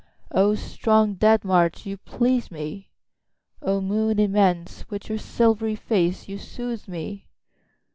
8O strong dead march, you please me!O moon immense, with your silvery face you soothe me!